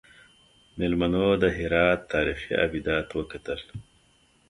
میلمنو د هرات تاریخي ابدات وکتل.